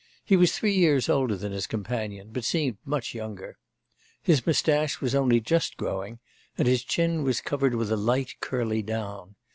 He was three years older than his companion, but seemed much younger. His moustache was only just growing, and his chin was covered with a light curly down.